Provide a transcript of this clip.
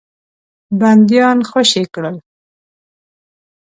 بندیان خوشي کړل.